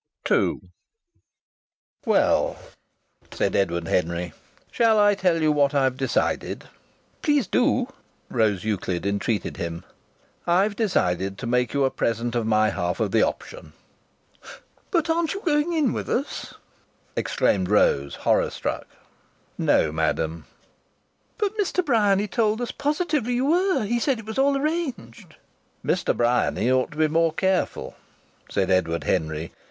II "Well," said Edward Henry, "shall I tell you what I've decided?" "Please do!" Rose Euclid entreated him. "I've decided to make you a present of my half of the option." "But aren't you going in with us?" exclaimed Rose, horror struck. "No, madam." "But Mr. Bryany told us positively you were! He said it was all arranged!" "Mr. Bryany ought to be more careful," said Edward Henry.